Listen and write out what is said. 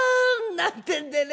なんてんでね